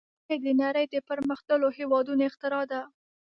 راکټ د نړۍ د پرمختللو هېوادونو اختراع ده